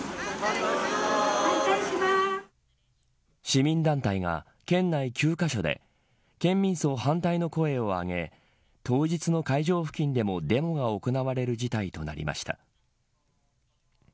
市民団体が県内９カ所で県民葬反対の声を上げ当日の会場付近でもデモが行われる事態となりました。